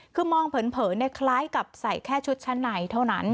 คือมองเผินคล้ายกับใส่แค่ชุดชั้นในเท่านั้น